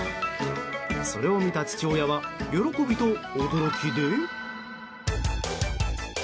それを見た父親は喜びと驚きで。